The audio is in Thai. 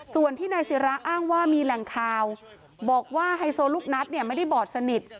ส่วนที่นายศิราอ้างว่ามีแหล่งข่าวบอกว่าไฮโซลูกนัดเนี่ยไม่ได้บอดสนิท